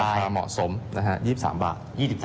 เหมาะสมนะฮะ๒๓บาท